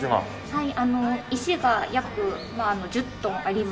はい。